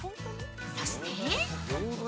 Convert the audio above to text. そして。